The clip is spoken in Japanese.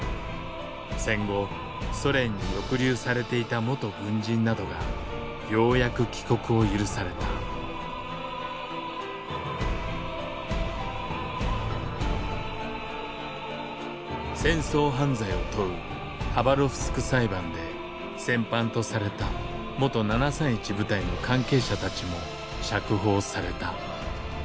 戦後ソ連に抑留されていた元軍人などがようやく帰国を許された戦争犯罪を問うハバロフスク裁判で戦犯とされた元７３１部隊の関係者たちも釈放された。